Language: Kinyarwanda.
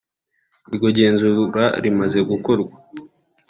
Iryo genzura rimaze gukorwa